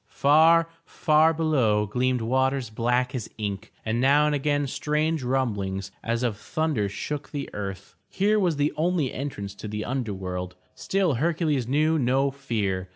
Far, far below gleamed waters black as ink and now and again strange rumblings as of thunder shook the earth. Here was the only entrance to the under world. Still Hercules knew no fear.